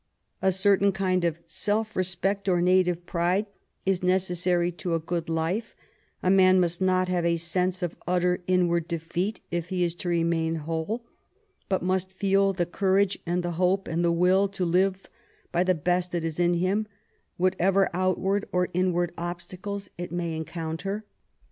A certain kind of self respect or native pride is necessary to a good life; a man must not have a sense of utter inward defeat if he is to remain whole, but must feel the courage and the hope and the will to live by the best that is in him, whatever outward or inward obstacles it may encounter.